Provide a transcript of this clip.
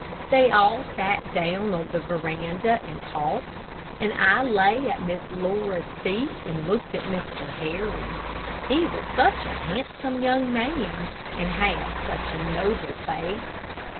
They all sat down on the veranda and talked, and I lay at Miss Laura's feet and looked at Mr. Harry. He was such a handsome young man, and had such a noble face.